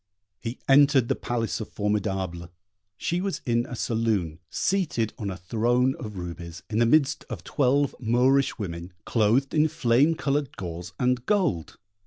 He entered the palace of Formidable: she was in a saloon, seated on a throne of rubies, in the midst of twelve Moorish women, clothed in flame coloured gauze and gold.